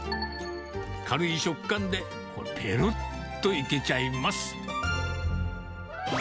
軽い食感で、ぺろっといけちゃいます。